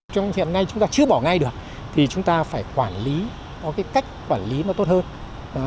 trong hiện nay chúng ta chưa bỏ ngay được thì chúng ta phải quản lý có cái cách quản lý mà tốt hơn